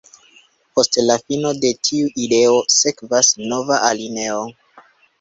Post la fino de tiu ideo, sekvas nova alineo.